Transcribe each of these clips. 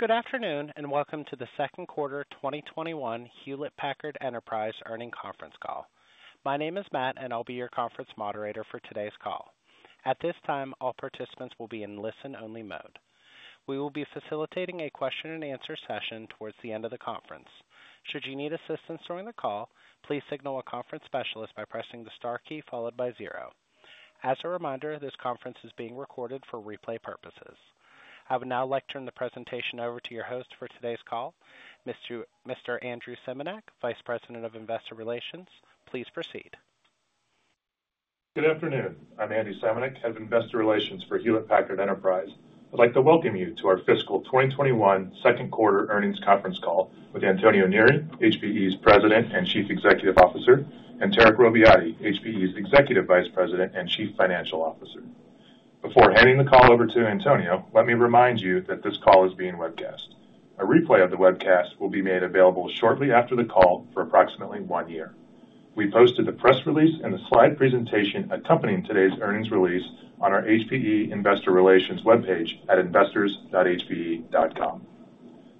Good afternoon, welcome to the second quarter 2021 Hewlett Packard Enterprise earnings conference call. My name is Matt, I'll be your conference moderator for today's call. At this time, all participants will be in listen-only mode. We will be facilitating a question and answer session towards the end of the conference. Should you need assistance during the call, please signal a conference specialist by pressing the star key followed by zero. As a reminder, this conference is being recorded for replay purposes. I will now direct the presentation over to your host for today's call, Mr. Andrew Simanek, Vice President of Investor Relations. Please proceed. Good afternoon. I'm Andy Simanek, Head of Investor Relations for Hewlett Packard Enterprise. I'd like to welcome you to our fiscal 2021 second quarter earnings conference call with Antonio Neri, HPE's President and Chief Executive Officer, and Tarek Robbiati, HPE's Executive Vice President and Chief Financial Officer. Before handing the call over to Antonio, let me remind you that this call is being webcast. A replay of the webcast will be made available shortly after the call for approximately one year. We posted the press release and the slide presentation accompanying today's earnings release on our HPE Investor Relations webpage at investors.hpe.com.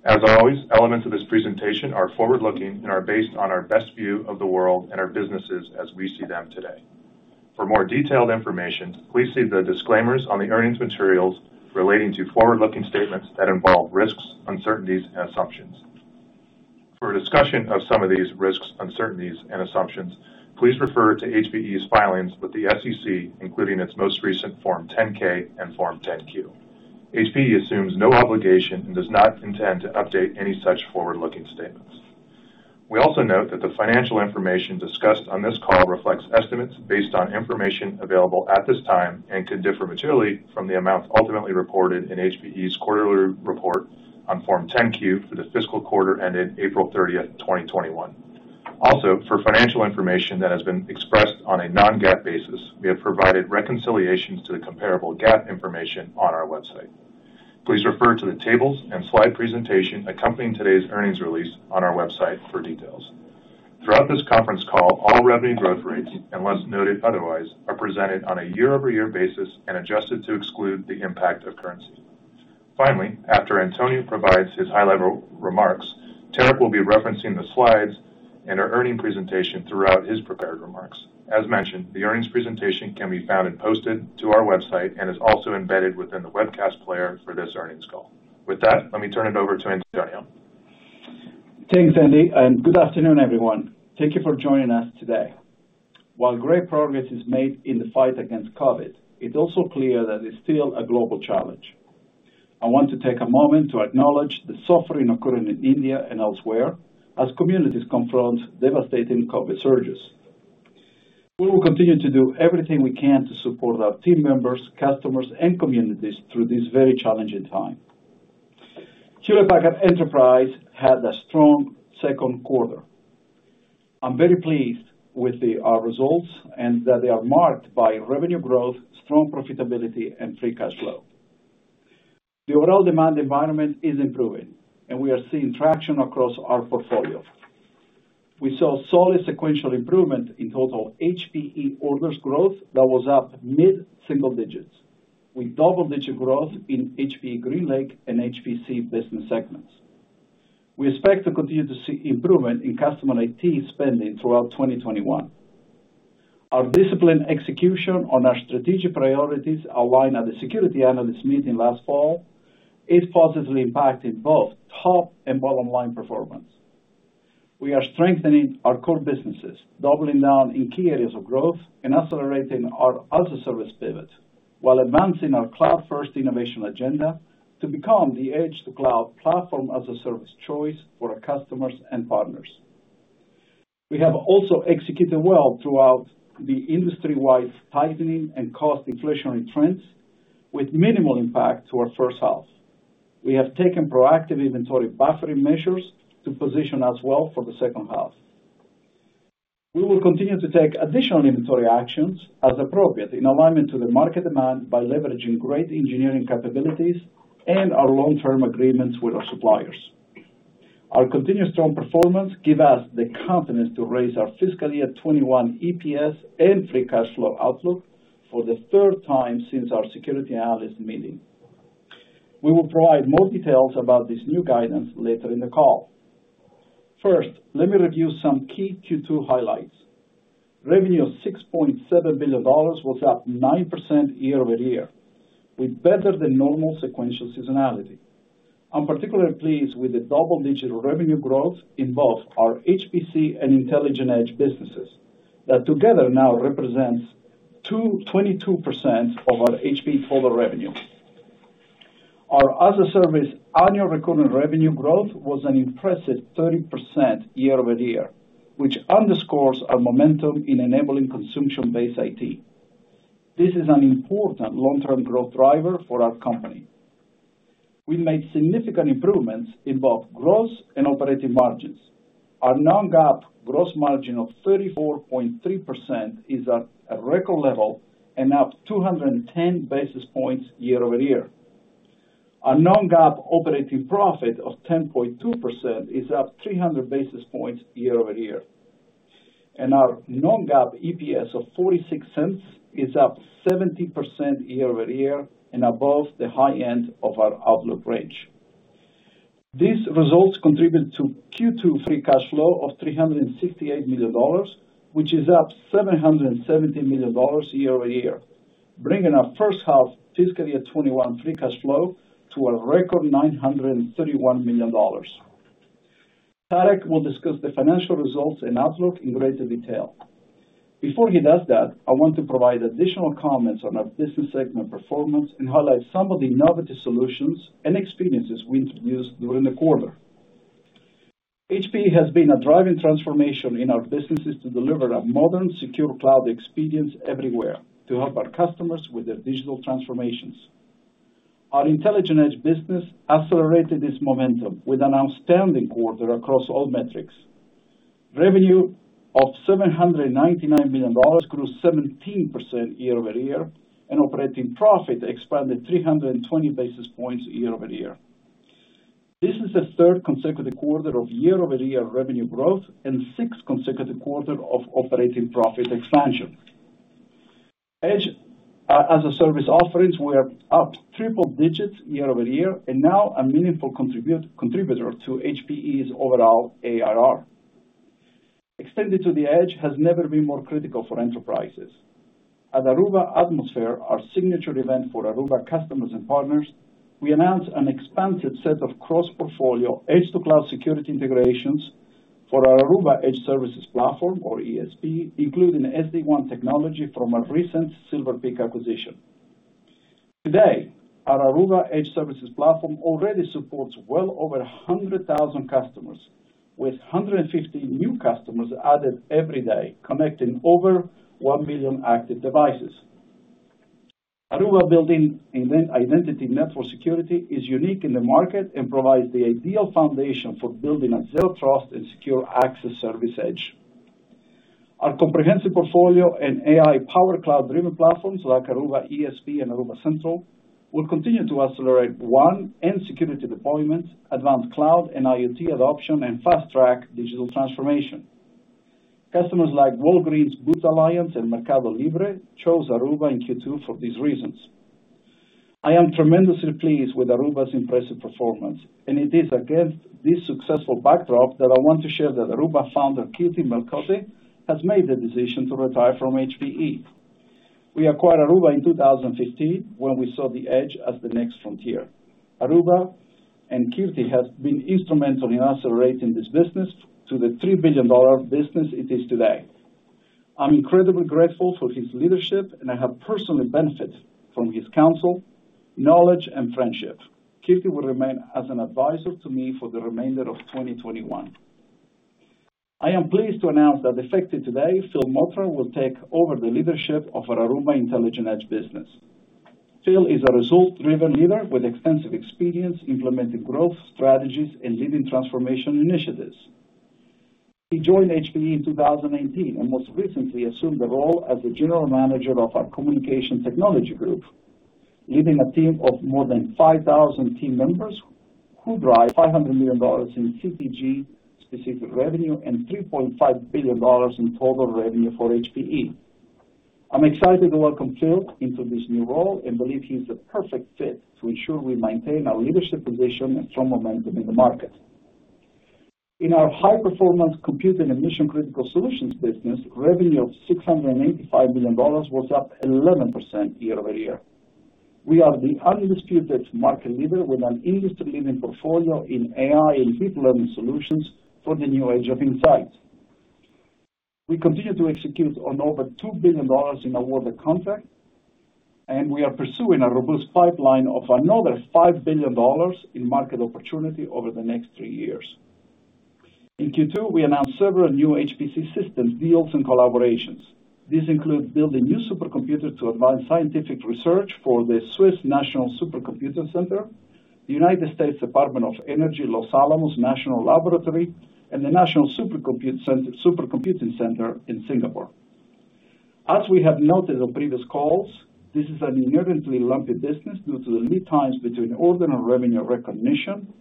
As always, elements of this presentation are forward-looking and are based on our best view of the world and our businesses as we see them today. For more detailed information, please see the disclaimers on the earnings materials relating to forward-looking statements that involve risks, uncertainties, and assumptions. For a discussion of some of these risks, uncertainties, and assumptions, please refer to HPE's filings with the SEC, including its most recent Form 10-K and Form 10-Q. HPE assumes no obligation and does not intend to update any such forward-looking statements. We also note that the financial information discussed on this call reflects estimates based on information available at this time and could differ materially from the amount ultimately reported in HPE's quarterly report on Form 10-Q for the fiscal quarter ended April 30th, 2021. Also, for financial information that has been expressed on a non-GAAP basis, we have provided reconciliations to the comparable GAAP information on our website. Please refer to the tables and slide presentation accompanying today's earnings release on our website for details. Throughout this conference call, all revenue growth rates, unless noted otherwise, are presented on a year-over-year basis and adjusted to exclude the impact of currency. Finally, after Antonio provides his high-level remarks, Tarek will be referencing the slides and our earnings presentation throughout his prepared remarks. As mentioned, the earnings presentation can be found and posted to our website and is also embedded within the webcast player for this earnings call. With that, let me turn it over to Antonio. Thanks, Andy, and good afternoon, everyone. Thank you for joining us today. While great progress is made in the fight against COVID, it's also clear that it's still a global challenge. I want to take a moment to acknowledge the suffering occurring in India and elsewhere as communities confront devastating COVID surges. We will continue to do everything we can to support our team members, customers, and communities through this very challenging time. Hewlett Packard Enterprise had a strong second quarter. I'm very pleased with the results and that they are marked by revenue growth, strong profitability, and free cash flow. The overall demand environment is improving, and we are seeing traction across our portfolio. We saw solid sequential improvement in total HPE orders growth that was up mid-single digits with double-digit growth in HPE GreenLake and HPC business segments. We expect to continue to see improvement in customer IT spending throughout 2021. Our disciplined execution on our strategic priorities outlined at the Securities Analyst Meeting last fall is positively impacting both top and bottom-line performance. We are strengthening our core businesses, doubling down in key areas of growth and accelerating our as-a-service pivots while advancing our cloud-first innovation agenda to become the Edge-to-Cloud platform as a service choice for our customers and partners. We have also executed well throughout the industry-wide tightening and cost inflationary trends with minimal impact to our first half. We have taken proactive inventory buffering measures to position us well for the second half. We will continue to take additional inventory actions as appropriate in alignment to the market demand by leveraging great engineering capabilities and our long-term agreements with our suppliers. Our continued strong performance gives us the confidence to raise our fiscal year 2021 EPS and free cash flow outlook for the third time since our Securities Analyst Meeting. We will provide more details about this new guidance later in the call. First, let me review some key Q2 highlights. Revenue of $6.7 billion was up 9% year-over-year with better than normal sequential seasonality. I'm particularly pleased with the double-digit revenue growth in both our HPC and Intelligent Edge businesses that together now represent 22% of our HPE total revenue. Our as-a-service annual recurring revenue growth was an impressive 30% year-over-year, which underscores our momentum in enabling consumption-based IT. This is an important long-term growth driver for our company. We made significant improvements in both gross and operating margins. Our non-GAAP gross margin of 34.3% is at a record level and up 210 basis points year-over-year. Our non-GAAP operating profit of 10.2% is up 300 basis points year-over-year. Our non-GAAP EPS of $0.46 is up 17% year-over-year and above the high end of our outlook range. These results contribute to Q2 free cash flow of $368 million, which is up $770 million year-over-year, bringing our first half fiscal year 2021 free cash flow to a record $931 million. Tarek will discuss the financial results and outlook in greater detail. Before he does that, I want to provide additional comments on our business segment performance and highlight some of the innovative solutions and experiences we introduced during the quarter. HPE has been driving transformation in our businesses to deliver a modern, secure cloud experience everywhere to help our customers with their digital transformations. Our Intelligent Edge business accelerated its momentum with an outstanding quarter across all metrics. Revenue of $799 million grew 17% year-over-year, and operating profit expanded 320 basis points year-over-year. This is the third consecutive quarter of year-over-year revenue growth and sixth consecutive quarter of operating profit expansion. Edge as a service offerings were up triple digits year-over-year and now a meaningful contributor to HPE's overall ARR. Extending to the edge has never been more critical for enterprises. At Aruba Atmosphere, our signature event for Aruba customers and partners, we announced an expanded set of cross-portfolio Edge-to-Cloud security integrations for our Aruba Edge Services Platform, or ESP, including SD-WAN technology from our recent Silver Peak acquisition. Today, our Aruba Edge Services Platform already supports well over 100,000 customers with 150 new customers added every day, connecting over 1 million active devices. Aruba built-in identity network security is unique in the market and provides the ideal foundation for building a Zero Trust and Secure Access Service Edge. Our comprehensive portfolio and AI-powered cloud-driven platforms like Aruba ESP and Aruba Central will continue to accelerate WAN and security deployment, advance cloud and IoT adoption, and fast-track digital transformation. Customers like Walgreens Boots Alliance and MercadoLibre chose Aruba in Q2 for these reasons. I am tremendously pleased with Aruba's impressive performance. It is against this successful backdrop that I want to share that Aruba founder Keerti Melkote has made the decision to retire from HPE. We acquired Aruba in 2015 when we saw the edge as the next frontier. Aruba and Keerti have been instrumental in accelerating this business to the $3 billion business it is today. I'm incredibly grateful for his leadership, and I have personally benefited from his counsel, knowledge, and friendship. Keerti will remain as an advisor to me for the remainder of 2021. I am pleased to announce that effective today, Phil Mottram will take over the leadership of our Aruba Intelligent Edge business. Phil is a results-driven leader with extensive experience implementing growth strategies and leading transformation initiatives. He joined HPE in 2018 and most recently assumed the role as the general manager of our communications technology group, leading a team of more than 5,000 team members who drive $500 million in CTG-specific revenue and $3.5 billion in total revenue for HPE. I'm excited to welcome Phil into this new role and believe he's the perfect fit to ensure we maintain our leadership position and strong momentum in the market. In our High-Performance Computing and Mission-Critical Solutions business, revenue of $685 million was up 11% year-over-year. We are the undisputed market leader with an industry-leading portfolio in AI and deep learning solutions for the new age of insight. We continue to execute on over $2 billion in awarded contracts, and we are pursuing a robust pipeline of another $5 billion in market opportunity over the next three years. In Q2, we announced several new HPC system deals and collaborations. These include building new supercomputers to advance scientific research for the Swiss National Supercomputing Centre, the United States Department of Energy, Los Alamos National Laboratory, and the National Supercomputing Centre in Singapore. As we have noted on previous calls, this is an inevitably lumpy business due to the lead times between ordering and revenue recognition,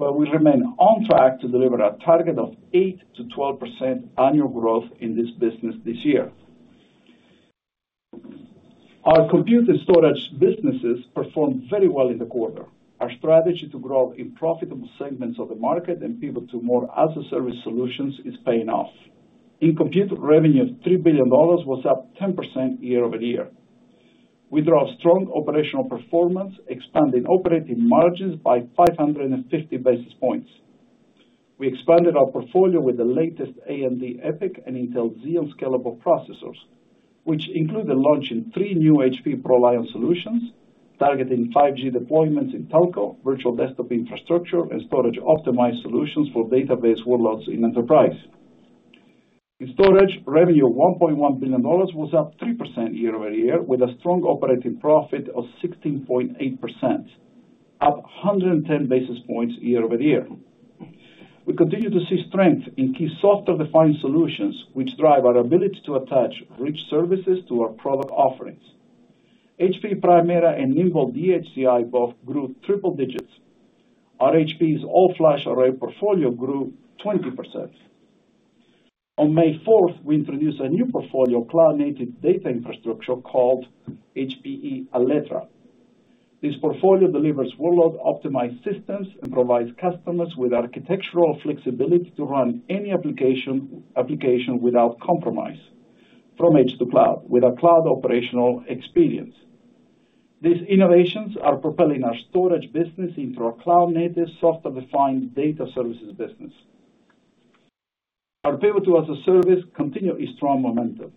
but we remain on track to deliver our target of 8%-12% annual growth in this business this year. Our Compute and Storage businesses performed very well in the quarter. Our strategy to grow in profitable segments of the market and pivot to more as-a-service solutions is paying off. In compute, revenue of $3 billion was up 10% year-over-year. With our strong operational performance, expanding operating margins by 550 basis points. We expanded our portfolio with the latest AMD EPYC and Intel Xeon scalable processors, which include the launch of three new HPE ProLiant solutions targeting 5G deployments in telco, virtual desktop infrastructure, and storage-optimized solutions for database workloads in enterprise. In Storage, revenue of $1.1 billion was up 3% year-over-year with a strong operating profit of 16.8%, up 110 basis points year-over-year. We continue to see strength in key software-defined solutions, which drive our ability to attach rich services to our product offerings. HPE Primera and Nimble dHCI both grew triple digits. Our HPE's All-Flash Array portfolio grew 20%. On May 4th, we introduced a new portfolio, cloud-native data infrastructure, called HPE Alletra. This portfolio delivers workload-optimized systems and provides customers with architectural flexibility to run any application without compromise from Edge-to-Cloud with a cloud operational experience. These innovations are propelling our Storage business into our cloud-native, software-defined data services business. Our bill to as a service continue a strong momentum.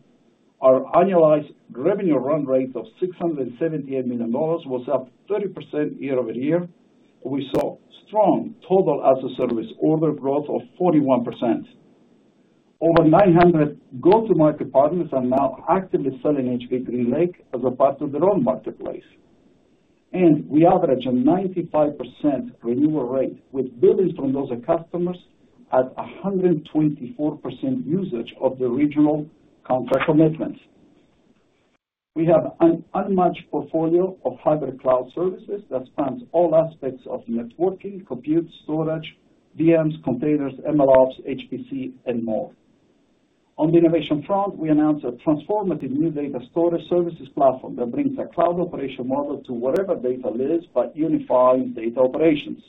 Our annualized revenue run rate of $678 million was up 30% year-over-year. We saw strong total as-a-service order growth of 41%. Over 900 go-to-market partners are now actively selling HPE GreenLake as a part of their own marketplace. We average a 95% renewal rate with $ billions from those customers at 124% usage of the original contract commitments. We have an unmatched portfolio of hybrid cloud services that spans all aspects of Networking, Compute, Storage, VMs, containers, ML Ops, HPC, and more. On the innovation front, we announced a transformative new data storage services platform that brings a cloud operational model to whatever data lives by unifying data operations.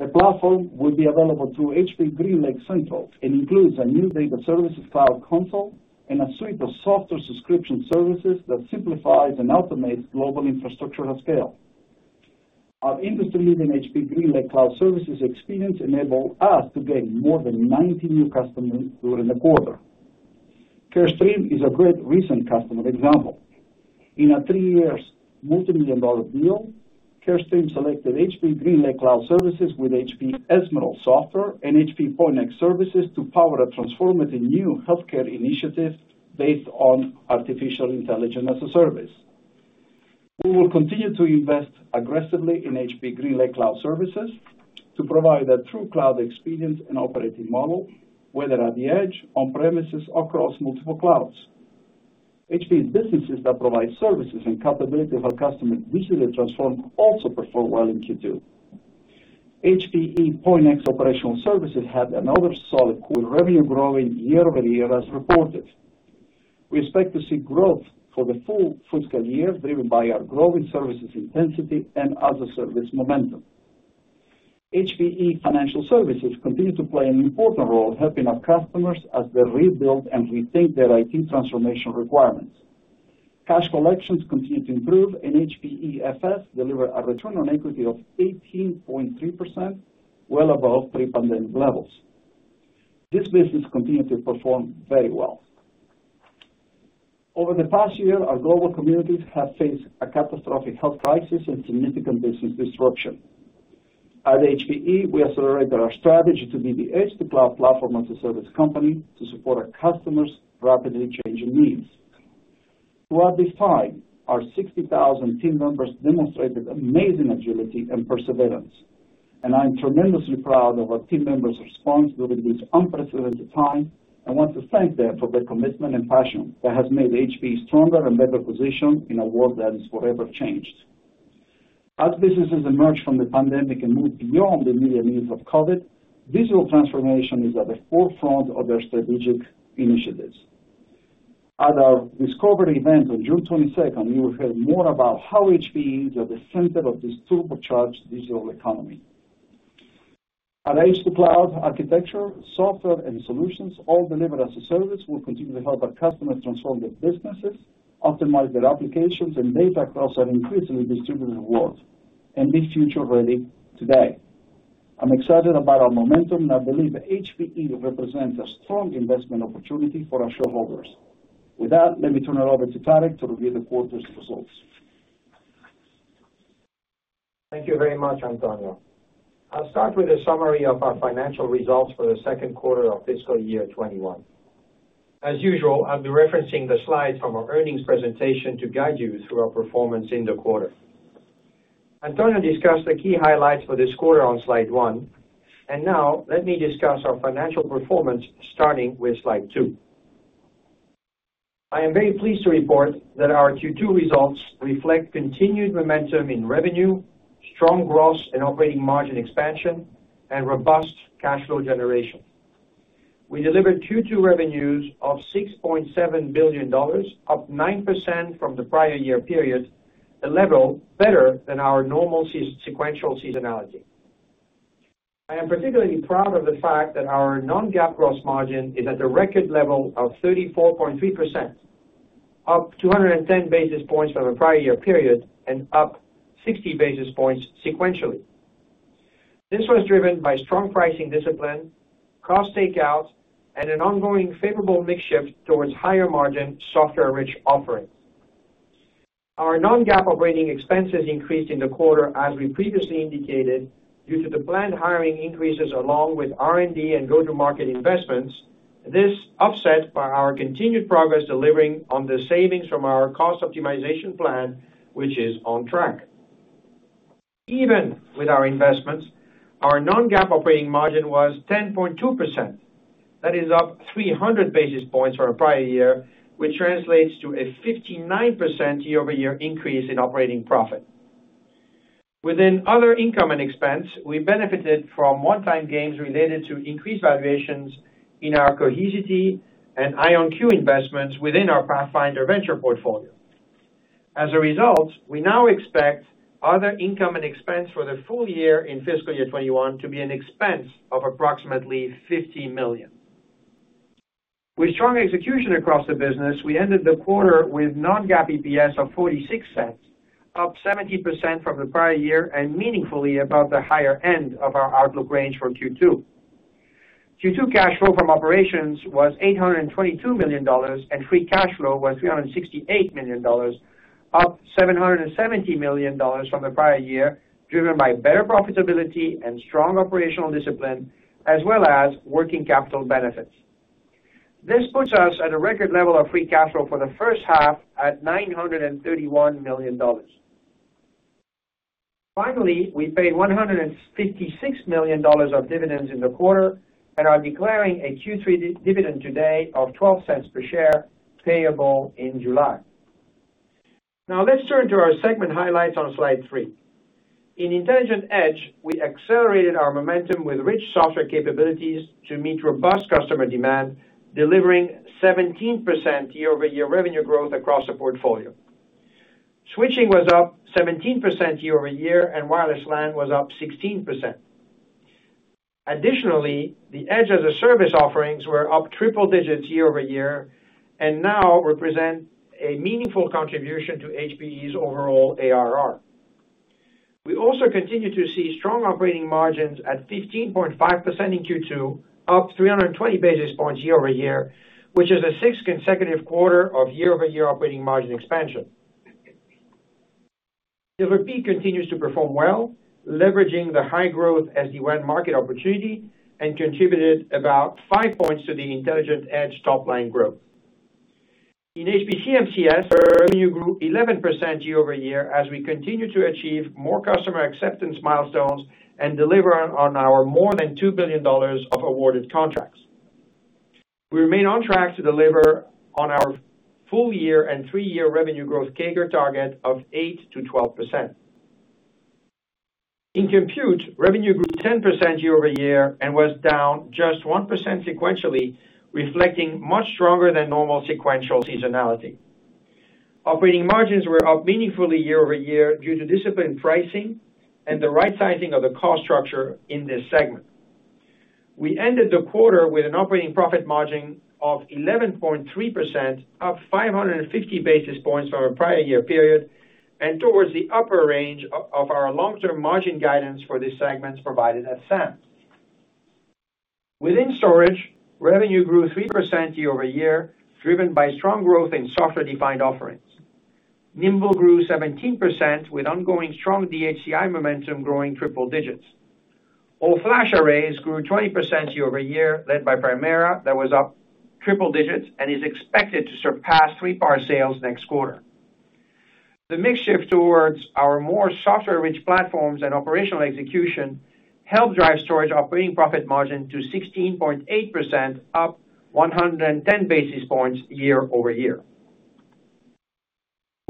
The platform will be available through HPE GreenLake Central. It includes a new data services cloud console and a suite of software subscription services that simplifies and automates global infrastructure at scale. Our industry-leading HPE GreenLake cloud services experience enabled us to gain more than 90 new customers during the quarter. Carestream is a great recent customer example. In a three years multimillion-dollar deal, Carestream selected HPE GreenLake cloud services with HPE Ezmeral Software and HPE Pointnext services to power a transformative new healthcare initiative based on artificial intelligence as a service. We will continue to invest aggressively in HPE GreenLake cloud services to provide a true cloud experience and operating model, whether at the edge, on premises, or across multiple clouds. HPE's businesses that provide services and capabilities our customers need to transform also performed well in Q2. HPE Pointnext operational services had another solid quarter, revenue growing year-over-year as reported. We expect to see growth for the full fiscal year, driven by our growing services intensity and as-a-service momentum. HPE Financial Services continue to play an important role helping our customers as they rebuild and rethink their IT transformation requirements. Cash collections continue to improve. HPE FS delivered a return on equity of 18.3%, well above pre-pandemic levels. This business continued to perform very well. Over the past year, our global communities have faced a catastrophic health crisis and significant business disruption. At HPE, we accelerated our strategy to be the Edge-to-Cloud platform as-a-service company to support our customers' rapidly changing needs. Throughout this time, our 60,000 team members demonstrated amazing agility and perseverance, and I'm tremendously proud of our team members' response during this unprecedented time and want to thank them for their commitment and passion that has made HPE stronger and better positioned in a world that is forever changed. As businesses emerge from the pandemic and move beyond the immediate needs of COVID, digital transformation is at the forefront of their strategic initiatives. At our Discover event on June 22nd, you will hear more about how HPE is at the center of this turbocharged digital economy. Our Edge-to-Cloud architecture, software, and solutions, all delivered as a service, will continue to help our customers transform their businesses, optimize their applications, and data across our increasingly distributed world and be future ready today. I'm excited about our momentum, and I believe HPE represents a strong investment opportunity for our shareholders. With that, let me turn it over to Tarek to review the quarter's results. Thank you very much, Antonio. I'll start with a summary of our financial results for the second quarter of fiscal year 2021. As usual, I'll be referencing the slide from our earnings presentation to guide you through our performance in the quarter. Antonio discussed the key highlights for this quarter on slide one, and now let me discuss our financial performance starting with slide two. I am very pleased to report that our Q2 results reflect continued momentum in revenue, strong gross and operating margin expansion, and robust cash flow generation. We delivered Q2 revenues of $6.7 billion, up 9% from the prior year period, a level better than our normal sequential seasonality. I am particularly proud of the fact that our non-GAAP gross margin is at the record level of 34.3%, up 210 basis points from the prior year period and up 60 basis points sequentially. This was driven by strong pricing discipline, cost takeout, and an ongoing favorable mix shift towards higher margin software-rich offerings. Our non-GAAP operating expenses increased in the quarter as we previously indicated due to the planned hiring increases along with R&D and go-to-market investments. This offset by our continued progress delivering on the savings from our cost optimization plan, which is on track. Even with our investments, our non-GAAP operating margin was 10.2%. That is up 300 basis points from the prior year, which translates to a 59% year-over-year increase in operating profit. Within other income and expense, we benefited from one-time gains related to increased valuations in our Cohesity and IonQ investments within our Pathfinder venture portfolio. As a result, we now expect other income and expense for the full year in fiscal year 2021 to be an expense of approximately $50 million. With strong execution across the business, we ended the quarter with non-GAAP EPS of $0.46, up 17% from the prior year and meaningfully above the higher end of our outlook range for Q2. Q2 cash flow from operations was $822 million and free cash flow was $368 million, up $770 million from the prior year, driven by better profitability and strong operational discipline as well as working capital benefits. This puts us at a record level of free cash flow for the first half at $931 million. We paid $156 million of dividends in the quarter and are declaring a Q3 dividend today of $0.12 per share, payable in July. Let's turn to our segment highlights on slide three. In Intelligent Edge, we accelerated our momentum with rich software capabilities to meet robust customer demand, delivering 17% year-over-year revenue growth across the portfolio. Switching was up 17% year-over-year, and wireless LAN was up 16%. Additionally, the Edge as-a-Service offerings were up triple digits year-over-year and now represent a meaningful contribution to HPE's overall ARR. We also continue to see strong operating margins at 15.5% in Q2, up 320 basis points year-over-year, which is the sixth consecutive quarter of year-over-year operating margin expansion. Silver Peak continues to perform well, leveraging the high growth SD-WAN market opportunity and contributed about five points to the Intelligent Edge top line growth. In HPE MCS, revenue grew 11% year-over-year as we continue to achieve more customer acceptance milestones and deliver on our more than $2 billion of awarded contracts. We remain on track to deliver on our full year and three-year revenue growth CAGR target of 8%-12%. In Compute, revenue grew 10% year-over-year and was down just 1% sequentially, reflecting much stronger than normal sequential seasonality. Operating margins were up meaningfully year-over-year due to disciplined pricing and the right-sizing of the cost structure in this segment. We ended the quarter with an operating profit margin of 11.3%, up 550 basis points from the prior year period, and towards the upper range of our long-term margin guidance for this segment provided at SAM. Within Storage, revenue grew 3% year-over-year, driven by strong growth in software-defined offerings. Nimble grew 17% with ongoing strong dHCI momentum growing triple digits. All-Flash Arrays grew 20% year-over-year, led by Primera, that was up triple digits and is expected to surpass 3PAR sales next quarter. The mix shift towards our more software-rich platforms and operational execution helped drive Storage operating profit margin to 16.8%, up 110 basis points year-over-year.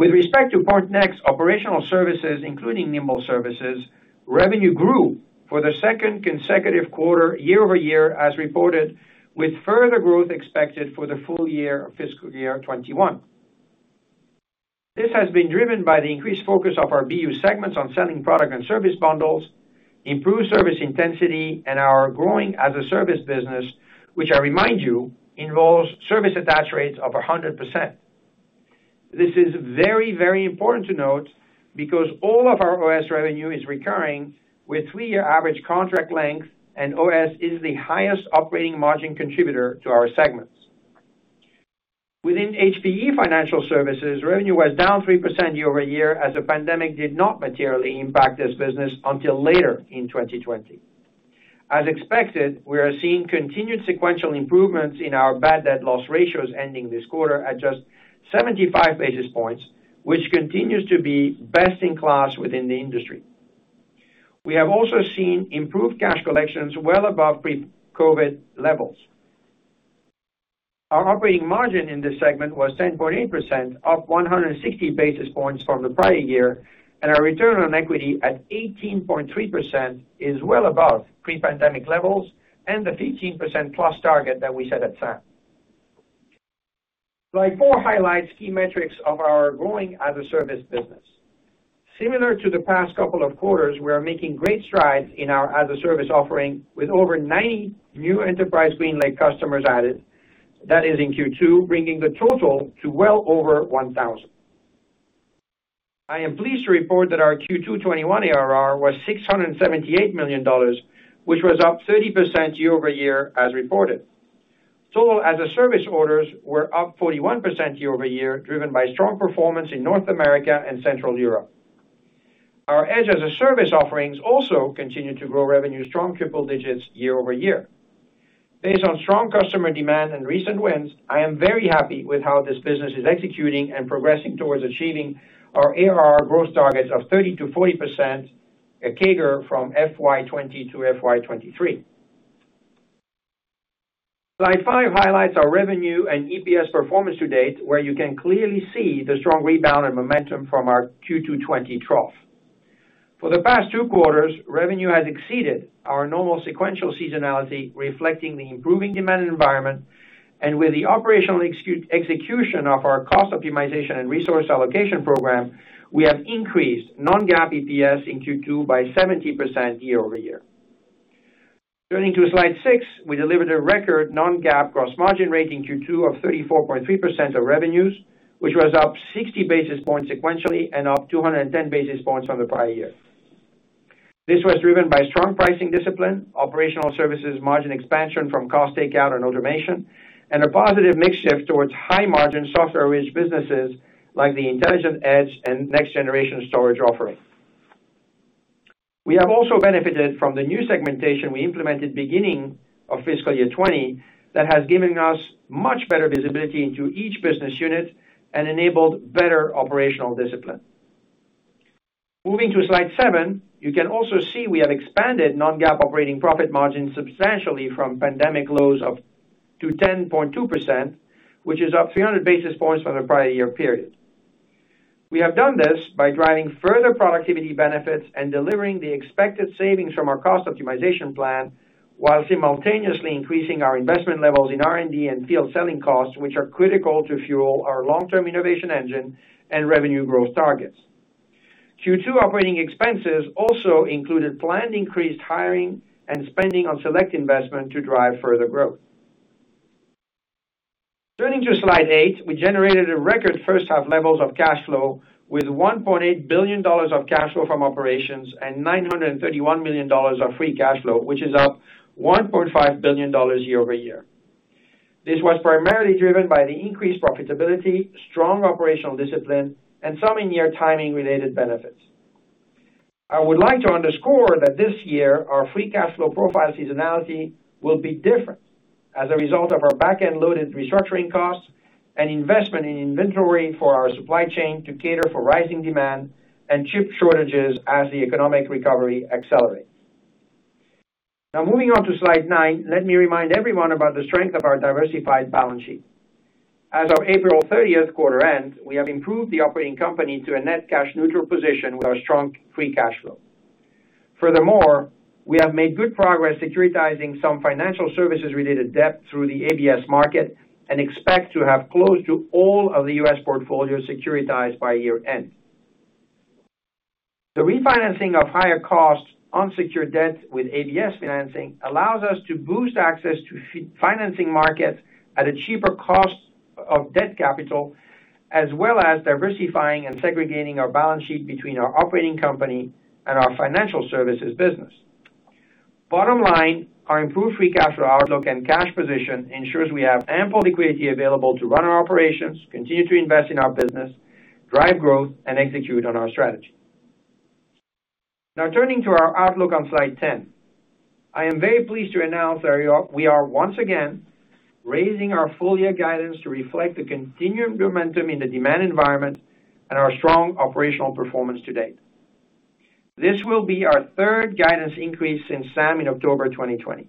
With respect to Pointnext operational services, including Nimble Services, revenue grew for the second consecutive quarter year-over-year as reported, with further growth expected for the full year of fiscal year 2021. This has been driven by the increased focus of our BU segments on selling product and service bundles, improved service intensity, and our growing as-a-Service business, which I remind you, involves service attach rates of 100%. This is very, very important to note because all of our OS revenue is recurring with three-year average contract length, and OS is the highest operating margin contributor to our segments. Within HPE Financial Services, revenue was down 3% year-over-year as the pandemic did not materially impact this business until later in 2020. As expected, we are seeing continued sequential improvements in our bad debt loss ratios ending this quarter at just 75 basis points, which continues to be best in class within the industry. We have also seen improved cash collections well above pre-COVID levels. Our operating margin in this segment was 10.8%, up 160 basis points from the prior year, and our return on equity at 18.3% is well above pre-pandemic levels and the 15%+ target that we set at SAM. Slide four highlights key metrics of our growing as-a-Service business. Similar to the past couple of quarters, we are making great strides in our as-a-Service offering with over 90 new HPE GreenLake customers added, that is in Q2, bringing the total to well over 1,000. I am pleased to report that our Q2 2021 ARR was $678 million, which was up 30% year-over-year as reported. Total as-a-Service orders were up 41% year-over-year, driven by strong performance in North America and Central Europe. Our Edge as-a-Service offerings also continue to grow revenue strong triple digits year-over-year. Based on strong customer demand and recent wins, I am very happy with how this business is executing and progressing towards achieving our ARR growth targets of 30%-40% CAGR from FY 2020 to FY 2023. Slide five highlights our revenue and EPS performance to-date, where you can clearly see the strong rebound and momentum from our Q2 2020 trough. For the past two quarters, revenue has exceeded our normal sequential seasonality, reflecting the improving demand environment, and with the operational execution of our cost optimization and resource allocation program, we have increased non-GAAP EPS in Q2 by 70% year-over-year. Turning to slide six, we delivered a record non-GAAP gross margin rate in Q2 of 34.3% of revenues, which was up 60 basis points sequentially and up 210 basis points on the prior year. This was driven by strong pricing discipline, operational services margin expansion from cost takeout and automation, and a positive mix shift towards high-margin software-rich businesses like the Intelligent Edge and next-generation storage offerings. We have also benefited from the new segmentation we implemented beginning of fiscal year 2020 that has given us much better visibility into each business unit and enabled better operational discipline. Moving to slide seven, you can also see we have expanded non-GAAP operating profit margin substantially from pandemic lows to 10.2%, which is up 300 basis points on a prior year period. We have done this by driving further productivity benefits and delivering the expected savings from our cost optimization plan while simultaneously increasing our investment levels in R&D and field selling costs, which are critical to fuel our long-term innovation engine and revenue growth targets. Q2 operating expenses also included planned increased hiring and spending on select investment to drive further growth. Turning to slide eight, we generated record first-half levels of cash flow, with $1.8 billion of cash flow from operations and $931 million of free cash flow, which is up $1.5 billion year-over-year. This was primarily driven by the increased profitability, strong operational discipline, and some year timing-related benefits. I would like to underscore that this year our free cash flow profile seasonality will be different as a result of our back-end loaded restructuring costs and investment in inventory for our supply chain to cater for rising demand and chip shortages as the economic recovery accelerates. Moving on to slide nine, let me remind everyone about the strength of our diversified balance sheet. As of April 30th quarter end, we have improved the operating company to a net cash neutral position with a strong free cash flow. We have made good progress securitizing some financial services-related debt through the ABS market and expect to have close to all of the U.S. portfolio securitized by year end. The refinancing of higher cost unsecured debt with ABS financing allows us to boost access to financing markets at a cheaper cost of debt capital as well as diversifying and segregating our balance sheet between our operating company and our financial services business. Bottom line, our improved free cash flow outlook and cash position ensures we have ample liquidity available to run our operations, continue to invest in our business, drive growth, and execute on our strategy. Now turning to our outlook on slide 10. I am very pleased to announce that we are once again raising our full year guidance to reflect the continuing momentum in the demand environment and our strong operational performance to-date. This will be our third guidance increase since SAM in October 2020.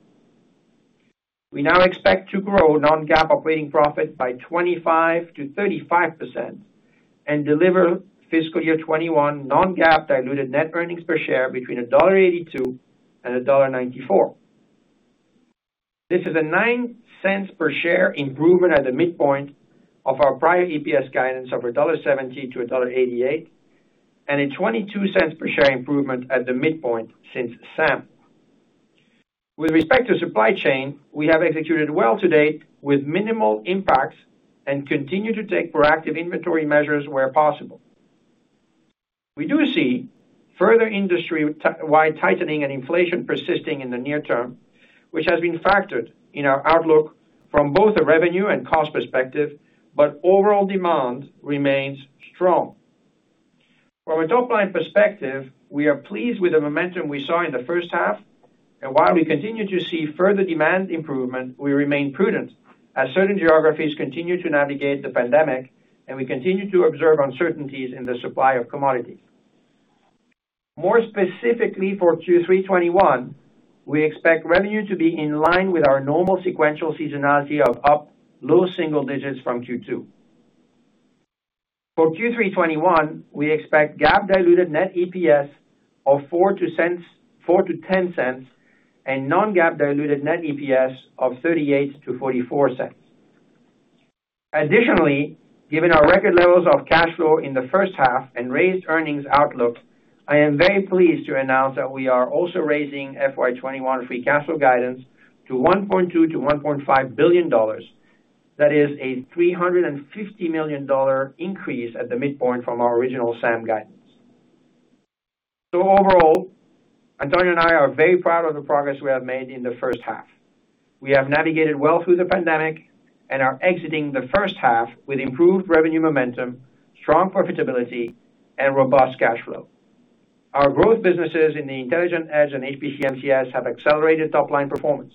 We now expect to grow non-GAAP operating profit by 25%-35% and deliver fiscal year 2021 non-GAAP diluted net earnings per share between $1.82 and $1.94. This is a $0.09 per share improvement at the midpoint of our prior EPS guidance of $1.70-$1.88 and a $0.22 per share improvement at the midpoint since SAM. With respect to supply chain, we have executed well to-date with minimal impacts and continue to take proactive inventory measures where possible. We do see further industry-wide tightening and inflation persisting in the near term, which has been factored in our outlook from both a revenue and cost perspective. Overall demand remains strong. From a top-line perspective, we are pleased with the momentum we saw in the first half, and while we continue to see further demand improvement, we remain prudent as certain geographies continue to navigate the pandemic and we continue to observe uncertainties in the supply of commodities. More specifically for Q3 2021, we expect revenue to be in line with our normal sequential seasonality of up low single digits from Q2. For Q3 2021, we expect GAAP diluted net EPS of $0.04-$0.10 and non-GAAP diluted net EPS of $0.38-$0.44. Additionally, given our record levels of cash flow in the first half and raised earnings outlook, I am very pleased to announce that we are also raising FY 2021 free cash flow guidance to $1.2 billion-$1.5 billion. That is a $350 million increase at the midpoint from our original SAM guidance. Overall, Antonio and I are very proud of the progress we have made in the first half. We have navigated well through the pandemic and are exiting the first half with improved revenue momentum, strong profitability, and robust cash flow. Our growth businesses in the HPE Intelligent Edge and HPC & MCS have accelerated top-line performance.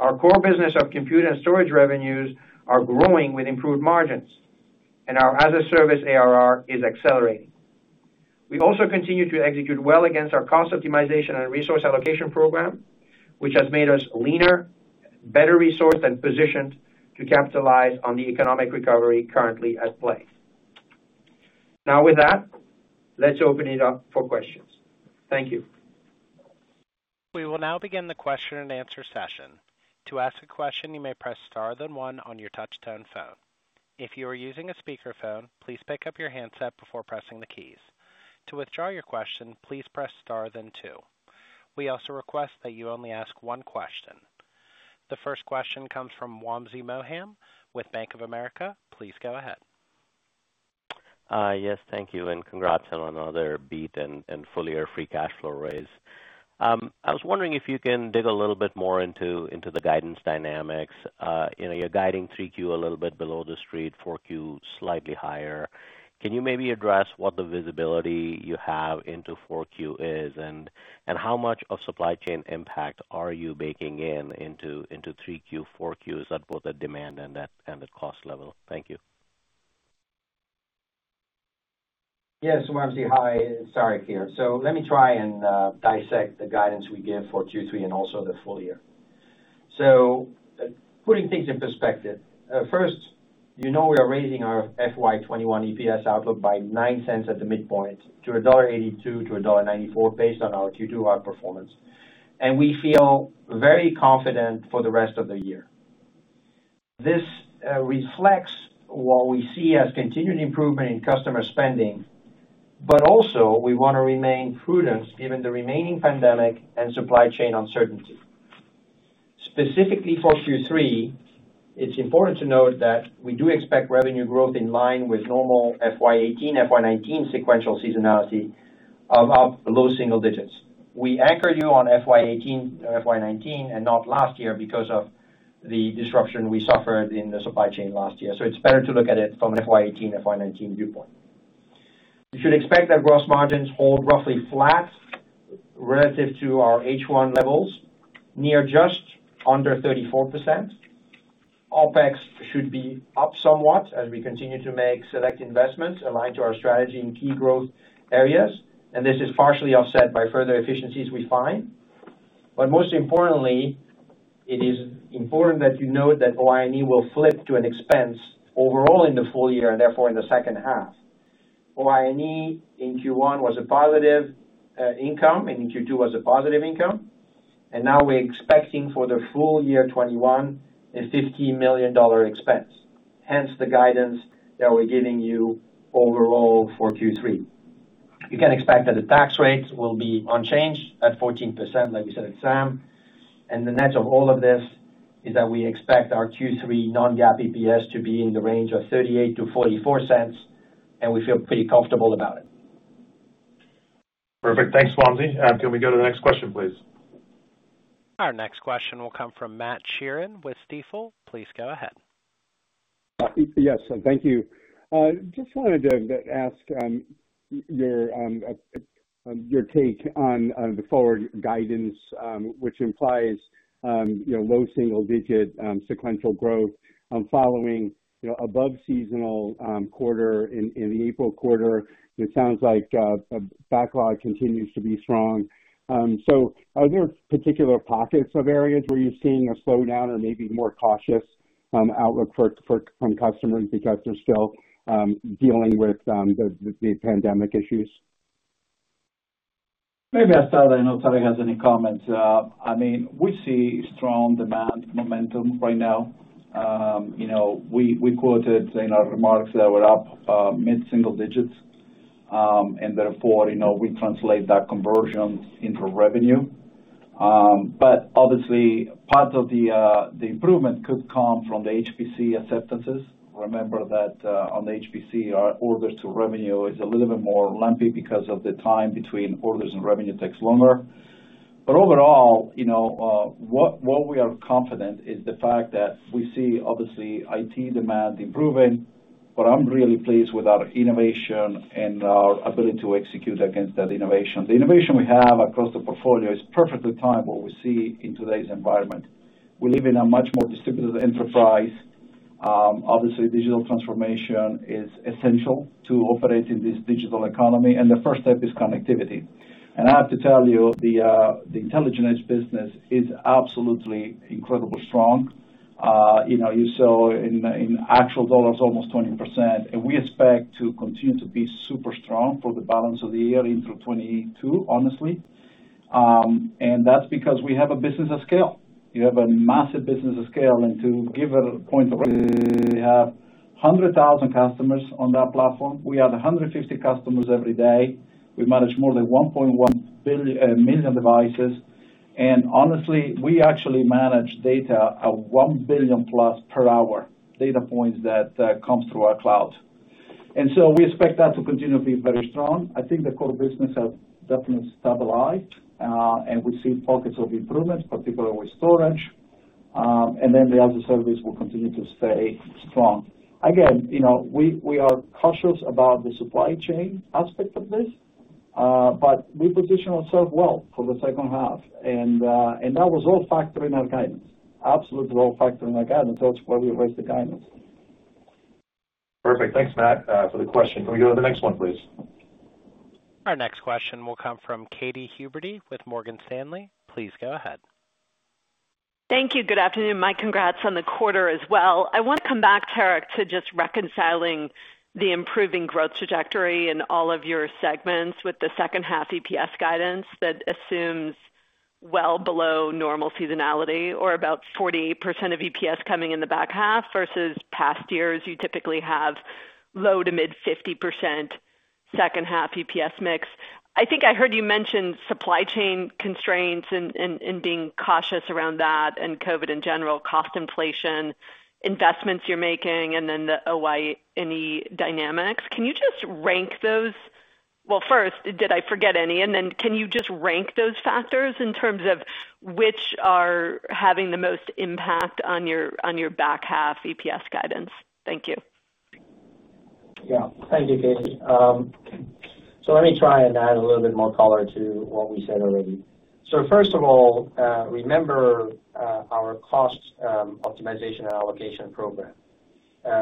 Our core business of Compute and Storage revenues are growing with improved margins, and our as-a-service ARR is accelerating. We also continue to execute well against our cost optimization and resource allocation program, which has made us leaner, better resourced, and positioned to capitalize on the economic recovery currently at play. With that, let's open it up for questions. Thank you. We will now begin the question and answer session. To ask a question, you may press star then one on your touch-tone phone. If you are using a speakerphone, please pick up your handset before pressing the keys. To withdraw your question, please press star then two. We also request that you only ask one question. The first question comes from Wamsi Mohan with Bank of America. Please go ahead. Yes, thank you, and congrats on another beat and full-year free cash flow raise. I was wondering if you can dig a little bit more into the guidance dynamics. You're guiding 3Q a little bit below the street, 4Q slightly higher. Can you maybe address what the visibility you have into 4Q is, and how much of supply chain impact are you baking in into 3Q, 4Q? Is that both the demand and the cost level? Thank you. Yes, Wamsi. Hi. Sorry. Let me try and dissect the guidance we gave for Q3 and also the full year. Putting things in perspective, first, you know we are raising our FY 2021 EPS outlook by $0.09 at the midpoint to $1.82-$1.94 based on our Q2 outperformance, and we feel very confident for the rest of the year. This reflects what we see as continued improvement in customer spending, but also we want to remain prudent given the remaining pandemic and supply chain uncertainty. Specifically for Q3, it's important to note that we do expect revenue growth in line with normal FY 2018/FY 2019 sequential seasonality up low single digits. We anchor you on FY 2018/FY 2019 and not last year because of the disruption we suffered in the supply chain last year. It's better to look at it from an FY 2018/FY 2019 viewpoint. You should expect that gross margins hold roughly flat relative to our H1 levels, near just under 34%. OpEx should be up somewhat as we continue to make select investments aligned to our strategy in key growth areas, and this is partially offset by further efficiencies we find. Most importantly, it is important that you note that OI&E will flip to an expense overall in the full year and therefore in the second half. OI&E in Q1 was a positive income, and in Q2 was a positive income, and now we're expecting for the full year 2021, a $50 million expense, hence the guidance that we're giving you overall for Q3. You can expect that the tax rates will be unchanged at 14%, like we said at SAM, and the net of all of this is that we expect our Q3 non-GAAP EPS to be in the range of $0.38-$0.44, and we feel pretty comfortable about it. Perfect. Thanks, Wamsi. Can we go to the next question, please? Our next question will come from Matt Sheerin with Stifel. Please go ahead. Yes, thank you. Just wanted to ask your take on the forward guidance, which implies low single-digit sequential growth following above-seasonal quarter in an equal quarter. It sounds like backlog continues to be strong. Are there particular pockets of areas where you're seeing a slowdown or maybe more cautious outlook from customers because they're still dealing with the pandemic issues? Maybe I'll start, and then Tarek has any comments. We see strong demand momentum right now. We quoted in our remarks that we're up mid-single digits, and therefore, we translate that conversion into revenue. Obviously, part of the improvement could come from the HPC acceptances. Remember that on HPC, our orders to revenue is a little bit more lumpy because of the time between orders and revenue takes longer. Overall, what we are confident is the fact that we see, obviously, IT demand improving, but I'm really pleased with our innovation and our ability to execute against that innovation. The innovation we have across the portfolio is perfectly timed what we see in today's environment. We live in a much more distributed enterprise. Obviously, digital transformation is essential to operate in this digital economy, and the first step is connectivity. I have to tell you, the Intelligent Edge business is absolutely incredibly strong. You saw in actual dollars, almost 20%, and we expect to continue to be super strong for the balance of the year into 2022, honestly. That's because we have a business of scale. We have a massive business of scale. To give a point of reference, we have 100,000 customers on that platform. We add 150 customers every day. We manage more than 1.1 million devices. Honestly, we actually manage data at 1+ billion per hour data points that comes through our cloud. We expect that to continue to be very strong. I think the core business has definitely stabilized, and we see pockets of improvement, particularly with Storage. And then the as-a-service will continue to stay strong. Again, we are cautious about the supply chain aspect of this, but we position ourselves well for the second half. That was all factored in our guidance. Absolutely all factored in our guidance. That's why we raised the guidance. Perfect. Thanks, Matt, for the question. Can we go to the next one, please? Our next question will come from Katy Huberty with Morgan Stanley. Please go ahead. Thank you. Good afternoon. My congrats on the quarter as well. I want to come back, Tarek, to just reconciling the improving growth trajectory in all of your segments with the second half EPS guidance that assumes well below normal seasonality, or about 40% of EPS coming in the back half versus past years, you typically have low to mid 50% second half EPS mix. I think I heard you mention supply chain constraints and being cautious around that and COVID in general, cost inflation, investments you're making, and then the OI&E dynamic. Well, first, did I forget any? Can you just rank those factors in terms of which are having the most impact on your back half EPS guidance? Thank you. Thank you, Katy. Let me try and add a little bit more color to what we said already. First of all, remember our cost optimization allocation program.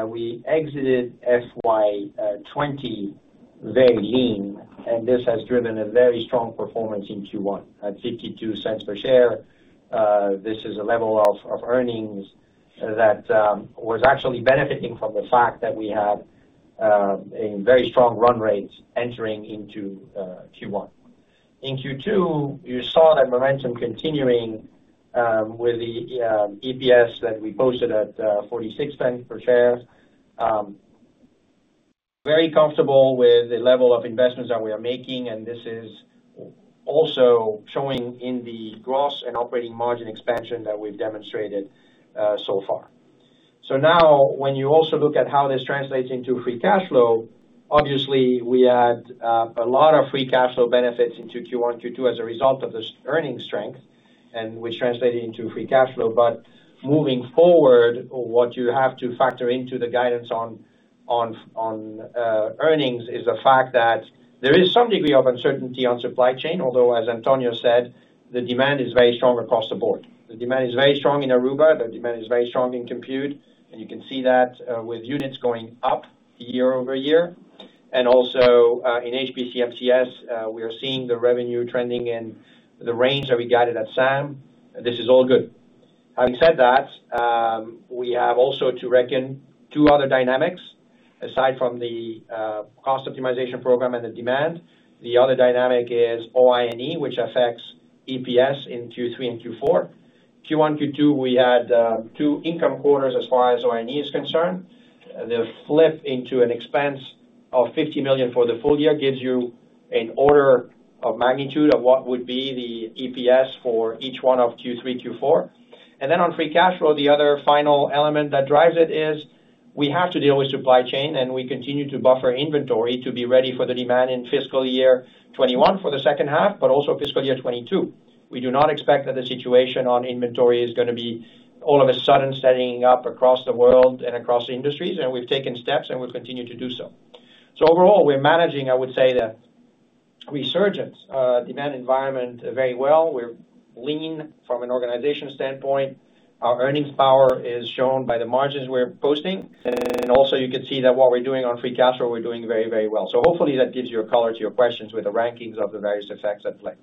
We exited FY 2020 very lean, and this has driven a very strong performance in Q1 at $0.52 per share. This is a level of earnings that was actually benefiting from the fact that we had a very strong run rate entering into Q1. In Q2, you saw that momentum continuing with the EPS that we posted at $0.46 per share. Very comfortable with the level of investments that we are making, and this is also showing in the gross and operating margin expansion that we've demonstrated so far. Now when you also look at how this translates into free cash flow, obviously we had a lot of free cash flow benefits into Q1 and Q2 as a result of this earnings strength, and which translated into free cash flow. Moving forward, what you have to factor into the guidance on earnings is the fact that there is some degree of uncertainty on supply chain, although, as Antonio said, the demand is very strong across the board. The demand is very strong in Aruba, the demand is very strong in Compute, and you can see that with units going up year-over-year. Also in HPC & MCS, we are seeing the revenue trending in the range that we guided at SAM, and this is all good. Having said that, we have also to reckon two other dynamics aside from the cost optimization program and the demand. The other dynamic is OI&E, which affects EPS in Q3 and Q4. Q1, Q2, we had two income quarters as far as OI&E is concerned. The flip into an expense of $50 million for the full year gives you an order of magnitude of what would be the EPS for each one of Q3, Q4. On free cash flow, the other final element that drives it is we have to deal with supply chain, and we continue to buffer inventory to be ready for the demand in fiscal year 2021 for the second half, but also fiscal year 2022. We do not expect that the situation on inventory is going to be all of a sudden setting up across the world and across industries, and we've taken steps and we'll continue to do so. Overall, we're managing, I would say, the resurgent demand environment very well. We're lean from an organization standpoint. Our earnings power is shown by the margins we're posting. Also you can see that what we're doing on free cash flow, we're doing very, very well. Hopefully that gives you color to your questions with the rankings of the various effects at play.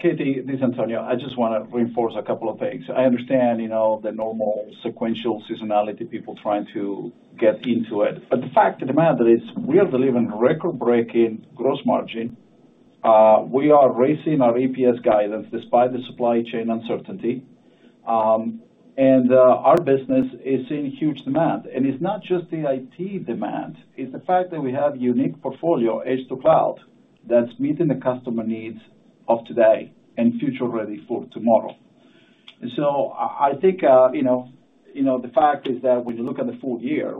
Katy, this is Antonio. I just want to reinforce a couple of things. I understand the normal sequential seasonality people trying to get into it. The fact of the matter is we are delivering record-breaking gross margin. We are raising our EPS guidance despite the supply chain uncertainty. Our business is in huge demand. It's not just the IT demand, it's the fact that we have a unique portfolio, Edge-to-Cloud, that's meeting the customer needs of today and future-ready for tomorrow. I think the fact is that when you look at the full year,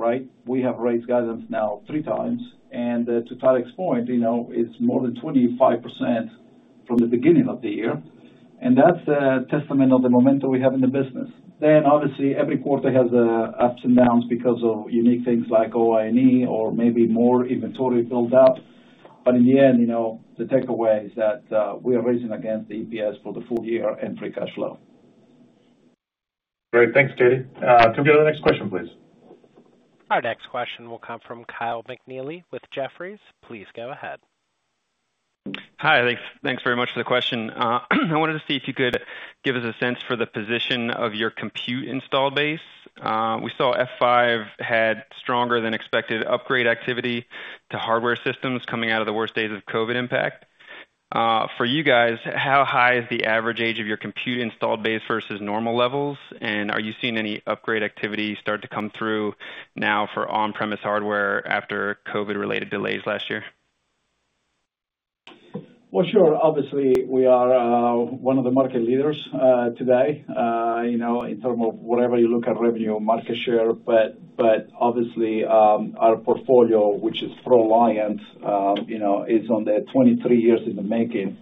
we have raised guidance now three times, and to Tarek's point, it's more than 25% from the beginning of the year, and that's a testament of the momentum we have in the business. Obviously, every quarter has its ups and downs because of unique things like OI&E or maybe more inventory build up. In the end, the takeaway is that we are raising our EPS for the full year and free cash flow. Great. Thanks, Katy. Can we go to the next question, please? Our next question will come from Kyle McNealy with Jefferies. Please go ahead. Hi. Thanks very much for the question. I wanted to see if you could give us a sense for the position of your Compute install base. We saw F5 had stronger than expected upgrade activity to hardware systems coming out of the worst days of COVID impact. For you guys, how high is the average age of your Compute install base versus normal levels, and are you seeing any upgrade activity start to come through now for on-premise hardware after COVID-related delays last year? Well, sure. Obviously, we are one of the market leaders today, in terms of whatever you look at revenue market share. Obviously, our portfolio, which is ProLiant, is on the 23 years in the making,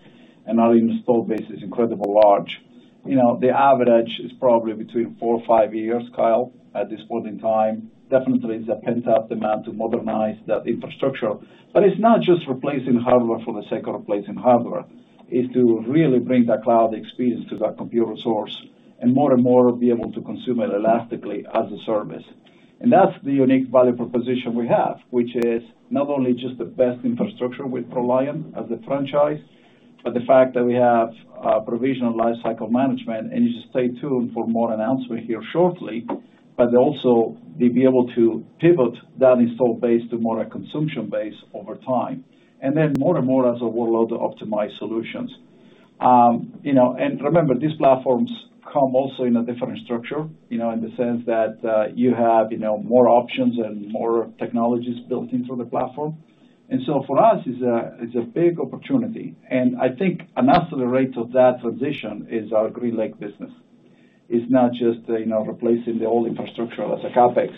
and our install base is incredibly large. The average is probably between four or five years, Kyle, at this point in time. Definitely there's a pent-up demand to modernize that infrastructure. It's not just replacing hardware for the sake of replacing hardware. It's to really bring that cloud experience to that compute resource, and more and more be able to consume it elastically as a service. That's the unique value proposition we have, which is not only just the best infrastructure with ProLiant as a franchise, but the fact that we have a provisional lifecycle management, and you should stay tuned for more announcement here shortly. Also be able to pivot that install base to more a consumption base over time. More and more as a workload to optimize solutions. Remember, these platforms come also in a different structure, in the sense that you have more options and more technologies built into the platform. For us, it's a big opportunity. I think an accelerate of that transition is our GreenLake business. It's not just replacing the old infrastructure as a CapEx,